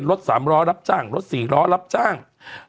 รถ๓ล้อรับจ้างรถ๔ล้อรับจ้าง